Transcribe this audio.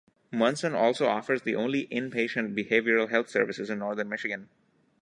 Munson also offers the only inpatient Behavioral Health services in northern Michigan.